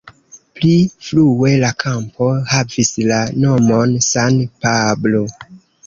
Pli frue la kampo havis la nomon "San Pablo".